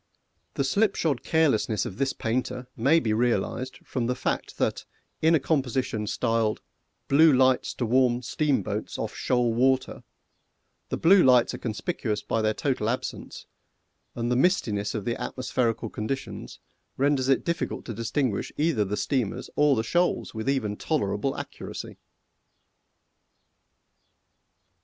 The slipshod carelessness of this painter may be realised from the fact that in a composition styled "Blue Lights to Warn Steamboats off Shoal Water," the blue lights are conspicuous by their total absence, and the mistiness of the atmospherical conditions renders it difficult to distinguish either the steamers or the shoals with even tolerable accuracy!